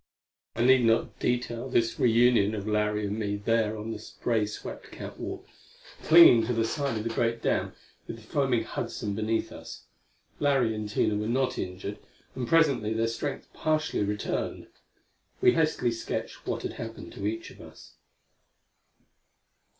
I need not detail this reunion of Larry and me there on the spray swept catwalk, clinging to the side of the great dam with the foaming Hudson beneath us. Larry and Tina were not injured, and presently their strength partially returned. We hastily sketched what had happened to each of us.